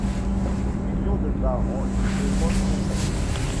Des millions de parents lui demandent conseil.